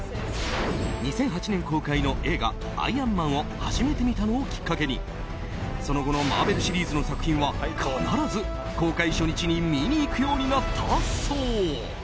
２００８年公開の映画「アイアンマン」を初めて見たのをきっかけにその後のマーベルシリーズの作品は必ず公開初日に見に行くようになったそう。